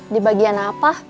di bagian apa